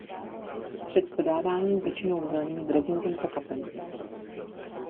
Před podáváním pečenou zeleninu dresinkem pokapeme.